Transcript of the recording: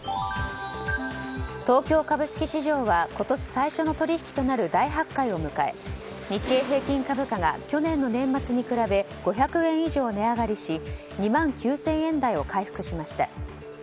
東京株式市場は今年最初の取引となる大発会を迎え、日経平均株価が去年の年末に比べ５００円以上値上がりし２万９０００円台を回復しました。